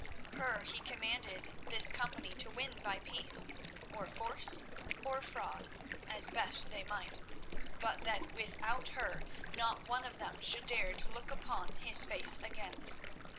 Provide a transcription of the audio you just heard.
Her he commanded this company to win by peace, or force, or fraud, as best they might, but that without her not one of them should dare to look upon his face again.